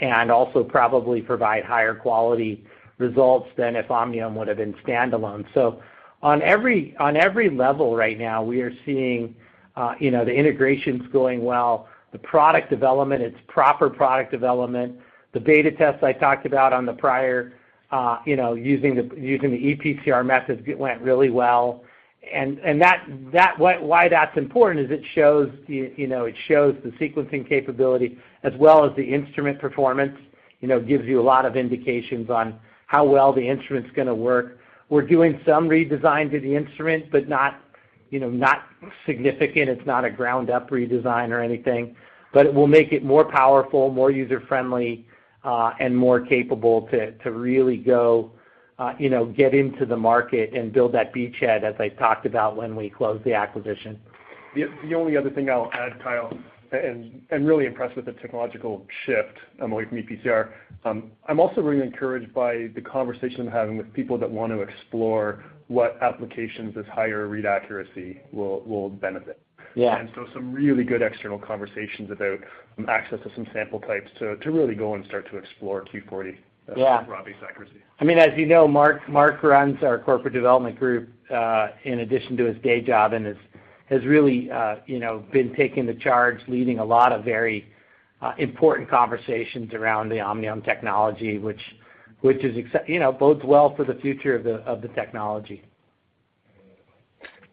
and also probably provide higher quality results than if Omniome would've been standalone. So on every level right now, we are seeing, you know, the integration's going well. The product development, it's proper product development. The beta tests I talked about on the prior, you know, using the ePCR methods went really well. Why that's important is it shows you know it shows the sequencing capability as well as the instrument performance, you know, gives you a lot of indications on how well the instrument's gonna work. We're doing some redesign to the instrument, but not, you know, significant. It's not a ground up redesign or anything, but it will make it more powerful, more user-friendly, and more capable to really go you know get into the market and build that beachhead as I talked about when we closed the acquisition. The only other thing I'll add, Kyle, and really impressed with the technological shift away from ePCR. I'm also really encouraged by the conversation I'm having with people that want to explore what applications this higher read accuracy will benefit. Yeah. Some really good external conversations about some access to some sample types to really go and start to explore Q40... Yeah. ...RO1-B's accuracy. I mean, as you know, Mark runs our corporate development group in addition to his day job and has really, you know, been taking the charge, leading a lot of very important conversations around the Omniome technology, which, you know, bodes well for the future of the technology.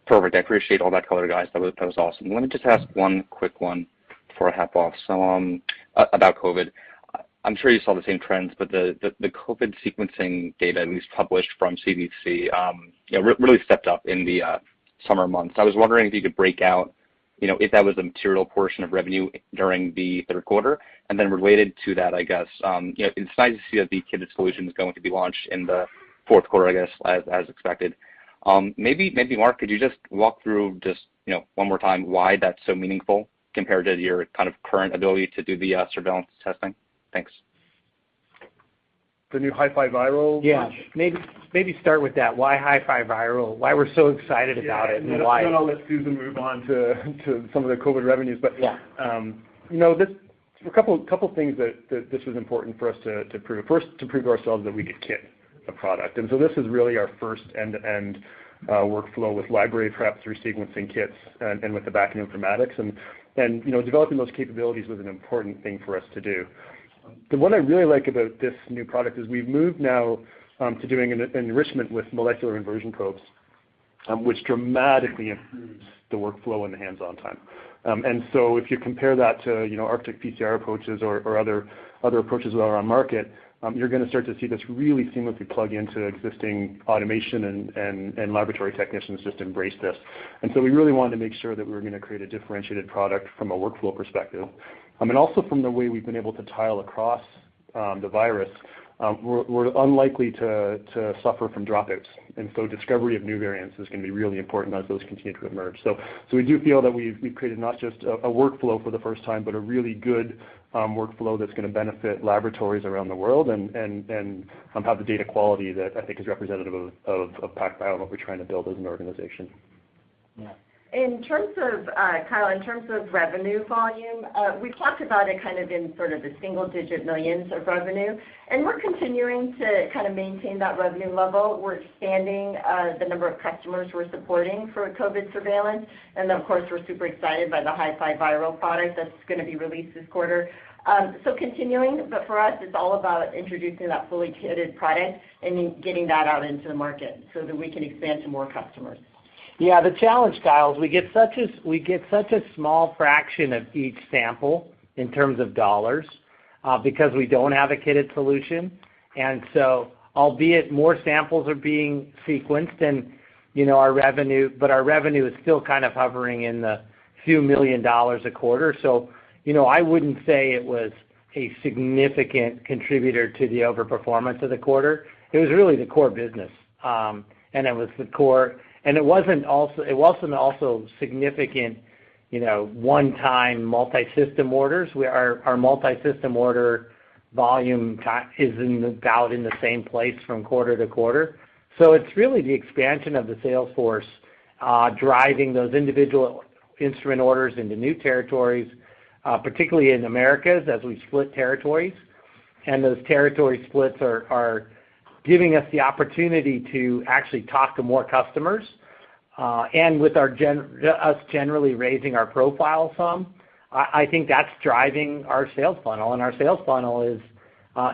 Perfect. I appreciate all that color, guys. That was awesome. Let me just ask one quick one before I hop off. About COVID. I'm sure you saw the same trends, but the COVID sequencing data, at least published from CDC, you know, really stepped up in the summer months. I was wondering if you could break out, you know, if that was a material portion of revenue during the third quarter. Then related to that, I guess, you know, it's nice to see that the kit solution is going to be launched in the fourth quarter, I guess, as expected. Maybe Mark, could you just walk through just, you know, one more time why that's so meaningful compared to your kind of current ability to do the surveillance testing? Thanks. The new HiFiViral launch? Yeah. Maybe start with that, why HiFiViral, why we're so excited about it and why... Yeah. I'll let Susan move on to some of the COVID revenues. Yeah. You know, this a couple things that this was important for us to prove. First, to prove to ourselves that we could kit a product. This is really our first end-to-end workflow with library prep through sequencing kits and with the back-end informatics. You know, developing those capabilities was an important thing for us to do. The one I really like about this new product is we've moved now to doing an enrichment with molecular inversion probes, which dramatically improves the workflow and the hands-on time. If you compare that to, you know, ARTIC PCR approaches or other approaches that are on market, you're gonna start to see this really seamlessly plug into existing automation, and laboratory technicians just embrace this. We really wanted to make sure that we were gonna create a differentiated product from a workflow perspective. And also from the way we've been able to tile across the virus, we're unlikely to suffer from dropouts, and discovery of new variants is gonna be really important as those continue to emerge. We do feel that we've created not just a workflow for the first time, but a really good workflow that's gonna benefit laboratories around the world and have the data quality that I think is representative of PacBio and what we're trying to build as an organization. In terms of, Kyle, in terms of revenue volume, we talked about it kind of in sort of the single digit million of revenue, and we're continuing to kind of maintain that revenue level. We're expanding the number of customers we're supporting for COVID surveillance. Of course, we're super excited by the HiFiViral product that's gonna be released this quarter. Continuing, but for us, it's all about introducing that fully kitted product and then getting that out into the market so that we can expand to more customers. The challenge, Kyle, is we get such a small fraction of each sample in terms of dollars because we don't have a kitted solution. Albeit more samples are being sequenced and, you know, our revenue, but our revenue is still kind of hovering in the few million dollars a quarter. You know, I wouldn't say it was a significant contributor to the overperformance of the quarter. It was really the core business, and it wasn't also significant, you know, one-time multi-system orders. Our multi-system order volume is in about the same place from quarter to quarter. It's really the expansion of the sales force driving those individual instrument orders into new territories, particularly in Americas as we split territories. Those territory splits are giving us the opportunity to actually talk to more customers, and with us generally raising our profile some, I think that's driving our sales funnel, and our sales funnel is,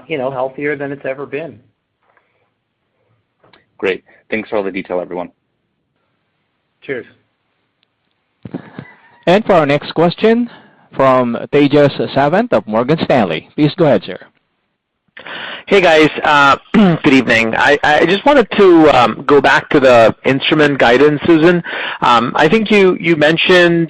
you know, healthier than it's ever been. Great. Thanks for all the detail, everyone. Cheers. For our next question from Tejas Savant of Morgan Stanley. Please go ahead, sir. Hey, guys. Good evening. I just wanted to go back to the instrument guidance, Susan. I think you mentioned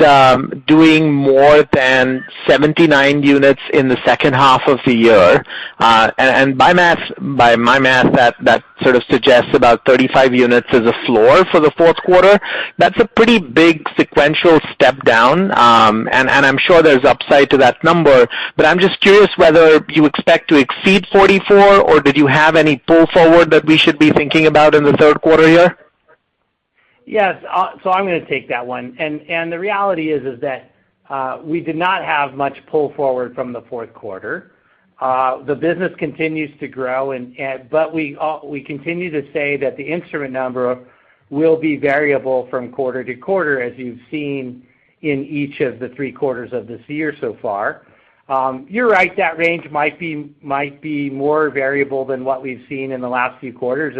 doing more than 79 units in the second half of the year. And by my math, that sort of suggests about 35 units as a floor for the fourth quarter. That's a pretty big sequential step down, and I'm sure there's upside to that number. I'm just curious whether you expect to exceed 44, or did you have any pull forward that we should be thinking about in the third quarter here? Yes. I'm gonna take that one. The reality is that we did not have much pull forward from the fourth quarter. The business continues to grow but we continue to say that the instrument number will be variable from quarter to quarter, as you've seen in each of the three quarters of this year so far. You're right, that range might be more variable than what we've seen in the last few quarters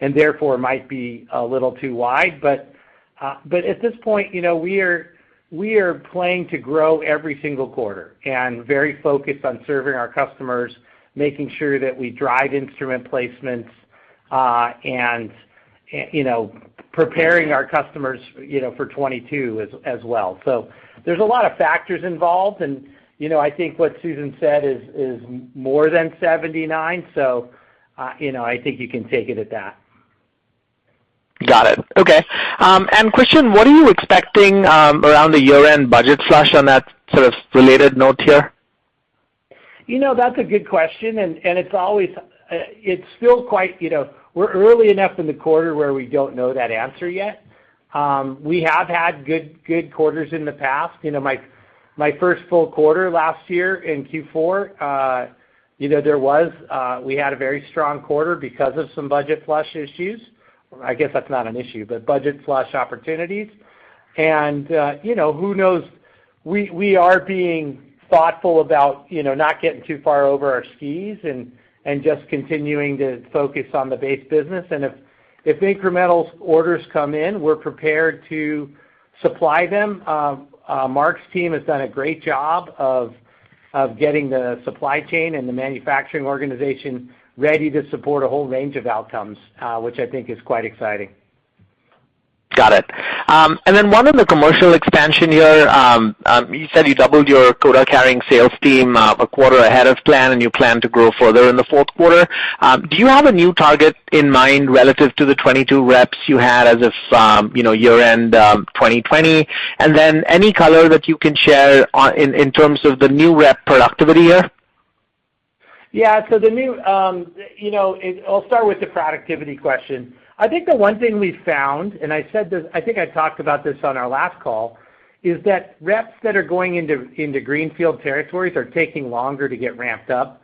and therefore might be a little too wide. At this point, you know, we are planning to grow every single quarter and very focused on serving our customers, making sure that we drive instrument placements and, you know, preparing our customers, you know, for 2022 as well. There's a lot of factors involved and, you know, I think what Susan said is more than 79. You know, I think you can take it at that. Got it. Okay. Question, what are you expecting around the year-end budget flush on that sort of related note here? You know, that's a good question, and it's always. It's still quite, you know, we're early enough in the quarter where we don't know that answer yet. We have had good quarters in the past. You know, my first full quarter last year in Q4, you know, we had a very strong quarter because of some budget flush issues, I guess that's not an issue, but budget flush opportunities. You know, who knows, we are being thoughtful about, you know, not getting too far over our skis and just continuing to focus on the base business. If incremental orders come in, we're prepared to supply them. Mark's team has done a great job of getting the supply chain and the manufacturing organization ready to support a whole range of outcomes, which I think is quite exciting. Got it. And then one on the commercial expansion here. You said you doubled your quota-carrying sales team a quarter ahead of plan, and you plan to grow further in the fourth quarter. Do you have a new target in mind relative to the 22 reps you had as of, you know, year-end 2020? And then any color that you can share on in terms of the new rep productivity here? Yeah. The new, you know, I'll start with the productivity question. I think the one thing we found, and I said this, I think I talked about this on our last call, is that reps that are going into greenfield territories are taking longer to get ramped up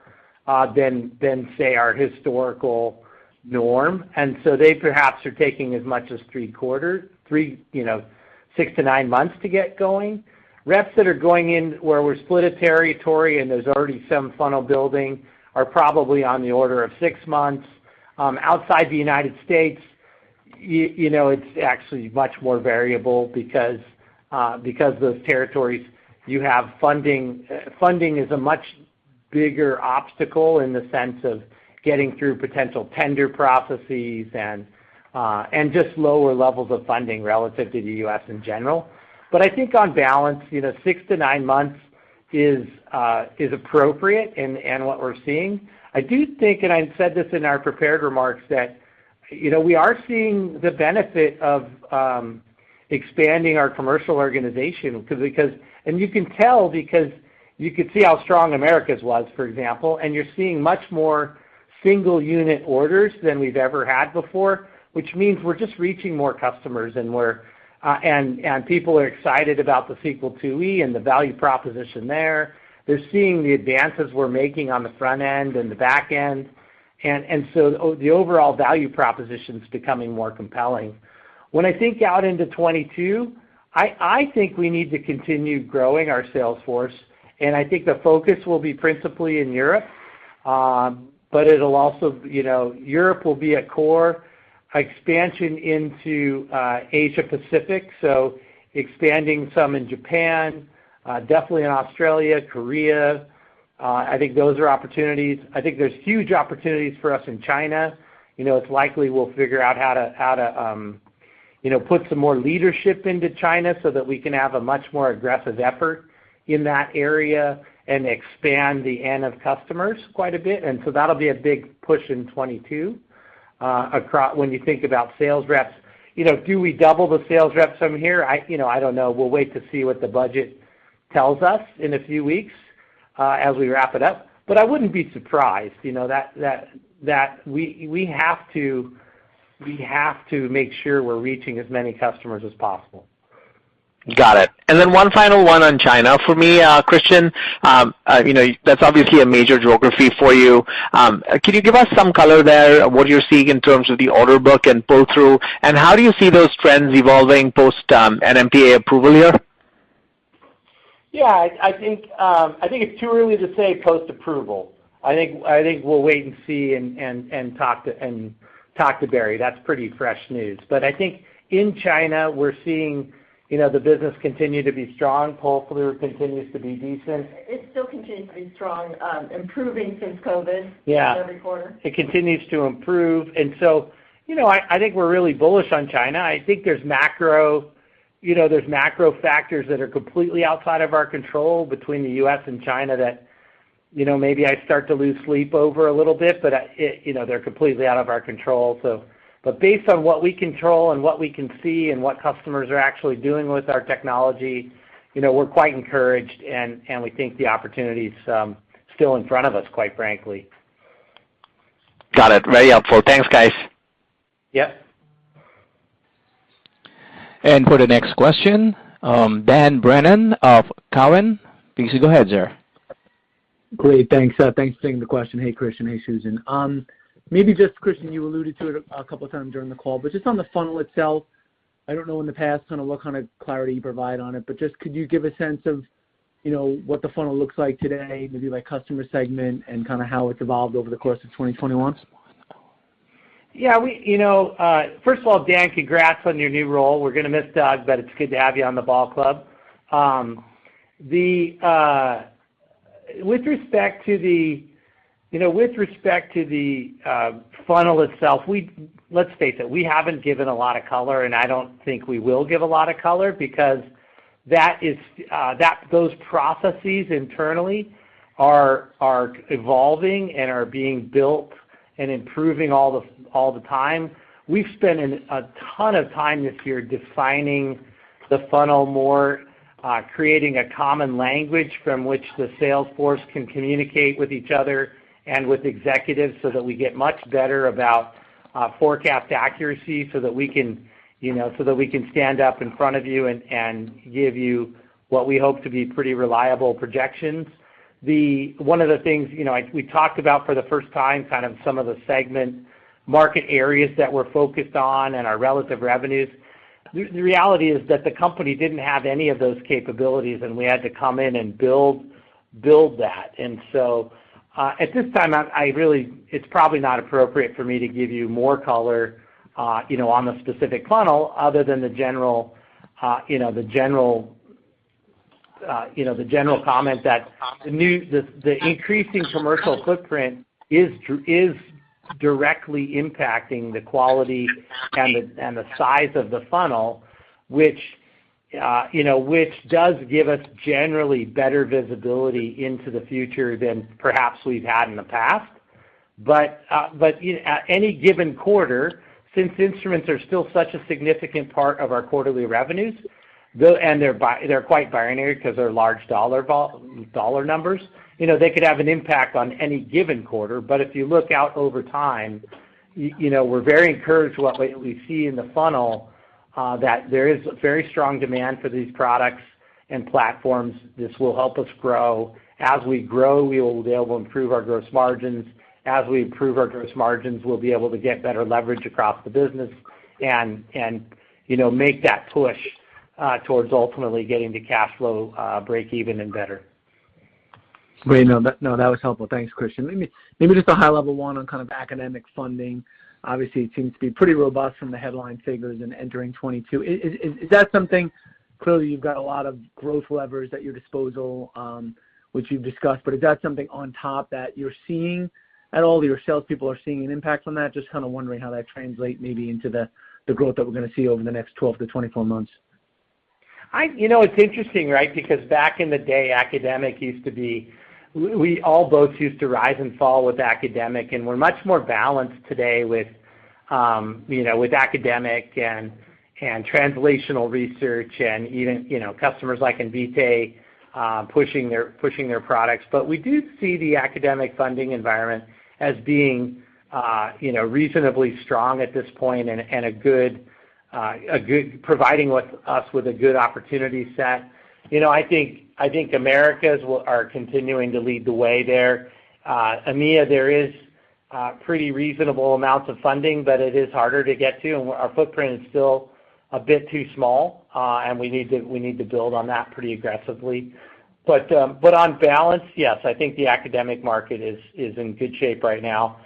than, say, our historical norm. They perhaps are taking as much as three quarters, you know, six to nine months to get going. Reps that are going in where we're split a territory and there's already some funnel building are probably on the order of six months. Outside the United States, you know, it's actually much more variable because those territories, you have funding. Funding is a much bigger obstacle in the sense of getting through potential tender processes and just lower levels of funding relative to the U.S. in general. I think on balance, you know, six to nine months is appropriate and what we're seeing. I do think, and I said this in our prepared remarks, that, you know, we are seeing the benefit of expanding our commercial organization because you can tell because you could see how strong Americas was, for example, and you're seeing much more single unit orders than we've ever had before, which means we're just reaching more customers, and we're. People are excited about the Sequel IIe and the value proposition there. They're seeing the advances we're making on the front end and the back end. The overall value proposition is becoming more compelling. When I think out into 2022, I think we need to continue growing our sales force, and I think the focus will be principally in Europe. But it'll also, you know, Europe will be a core expansion into Asia Pacific, so expanding some in Japan, definitely in Australia, Korea. I think those are opportunities. I think there's huge opportunities for us in China. You know, it's likely we'll figure out how to, you know, put some more leadership into China so that we can have a much more aggressive effort in that area and expand the N of customers quite a bit. That'll be a big push in 2022. When you think about sales reps, you know, do we double the sales reps from here? I, you know, I don't know. We'll wait to see what the budget tells us in a few weeks as we wrap it up. I wouldn't be surprised, you know, that we have to make sure we're reaching as many customers as possible. Got it. One final one on China for me, Christian. You know, that's obviously a major geography for you. Can you give us some color there, what you're seeing in terms of the order book and pull-through? How do you see those trends evolving post-NMPA approval here? I think it's too early to say post-approval. I think we'll wait and see and talk to Berry. That's pretty fresh news. I think in China, we're seeing, you know, the business continue to be strong. Pull-through continues to be decent. It still continues to be strong, improving since COVID. Yeah. Every quarter. It continues to improve. You know, I think we're really bullish on China. I think there's macro factors that are completely outside of our control between the U.S. and China that, you know, maybe I start to lose sleep over a little bit, but, you know, they're completely out of our control. But based on what we control and what we can see and what customers are actually doing with our technology, you know, we're quite encouraged, and we think the opportunity is still in front of us, quite frankly. Got it. Very helpful. Thanks, guys. Yep. For the next question, Dan Brennan of Cowen. Please go ahead, sir. Great, thanks. Thanks for taking the question. Hey, Christian. Hey, Susan. Maybe just, Christian, you alluded to it a couple times during the call, but just on the funnel itself, I don't know in the past kinda what kind of clarity you provide on it, but just could you give a sense of, you know, what the funnel looks like today, maybe by customer segment and kinda how it's evolved over the course of 2021? Yeah, you know, first of all, Dan, congrats on your new role. We're gonna miss Doug, but it's good to have you on the ball club. With respect to the funnel itself, let's face it, we haven't given a lot of color, and I don't think we will give a lot of color because that is, those processes internally are evolving and are being built and improving all the time. We've spent a ton of time this year defining the funnel more, creating a common language from which the sales force can communicate with each other and with executives so that we get much better about forecast accuracy so that we can, you know, stand up in front of you and give you what we hope to be pretty reliable projections. One of the things, you know, we talked about for the first time, kind of some of the segment market areas that we're focused on and our relative revenues. The reality is that the company didn't have any of those capabilities, and we had to come in and build that. At this time, I really... It's probably not appropriate for me to give you more color, you know, on the specific funnel other than the general, you know, comment that the increasing commercial footprint is directly impacting the quality and the size of the funnel, which, you know, does give us generally better visibility into the future than perhaps we've had in the past. You know, at any given quarter, since instruments are still such a significant part of our quarterly revenues, they're quite binary 'cause they're large dollar numbers. You know, they could have an impact on any given quarter. If you look out over time, you know, we're very encouraged what we see in the funnel, that there is a very strong demand for these products and platforms. This will help us grow. As we grow, we will be able to improve our gross margins. As we improve our gross margins, we'll be able to get better leverage across the business and you know, make that push towards ultimately getting to cash flow breakeven and better. Great. No, that was helpful. Thanks, Christian. Let me maybe just a high level one on kind of academic funding. Obviously, it seems to be pretty robust from the headline figures and entering 2022. Is that something. Clearly, you've got a lot of growth levers at your disposal, which you've discussed, but is that something on top that you're seeing at all of your sales people are seeing an impact on that? Just kinda wondering how that translate maybe into the growth that we're gonna see over the next 12-24 months. You know, it's interesting, right? Because back in the day, academic used to be... We all both used to rise and fall with academic, and we're much more balanced today with, you know, with academic and translational research and even, you know, customers like Invitae pushing their products. But we do see the academic funding environment as being, you know, reasonably strong at this point and a good providing us with a good opportunity set. You know, I think Americas are continuing to lead the way there. EMEA, there is pretty reasonable amounts of funding, but it is harder to get to, and our footprint is still a bit too small, and we need to build on that pretty aggressively. On balance, yes, I think the academic market is in good shape right now.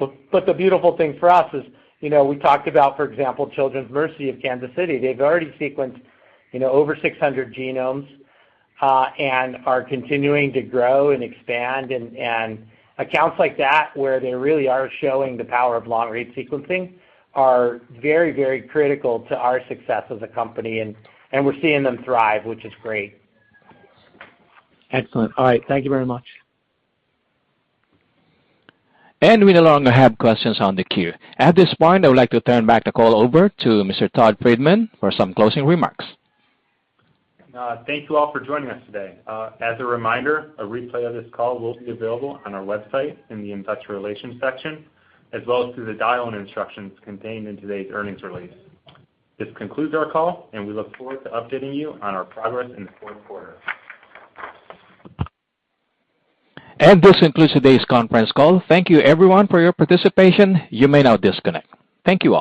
The beautiful thing for us is, you know, we talked about, for example, Children's Mercy Kansas City. They've already sequenced, you know, over 600 genomes and are continuing to grow and expand and accounts like that, where they really are showing the power of long-read sequencing are very, very critical to our success as a company and we're seeing them thrive, which is great. Excellent. All right. Thank you very much. We no longer have questions on the queue. At this point, I would like to turn back the call over to Mr. Todd Friedman for some closing remarks. Thank you all for joining us today. As a reminder, a replay of this call will be available on our website in the investor relations section, as well as through the dial-in instructions contained in today's earnings release. This concludes our call, and we look forward to updating you on our progress in the fourth quarter. This concludes today's conference call. Thank you everyone for your participation. You may now disconnect. Thank you.